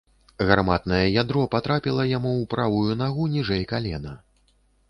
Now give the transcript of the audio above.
Гарматнае ядро патрапіла яму ў правую нагу ніжэй калена.